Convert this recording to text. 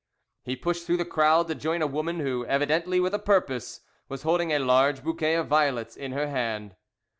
He pushed through the crowd to join a woman who, evidently with a purpose, was holding a large bouquet of violets in her hand.